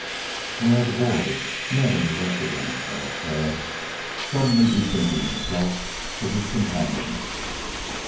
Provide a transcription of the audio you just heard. "Where are the boys Ned and the rest of them?" asked Tad, suddenly bethinking himself of his companions.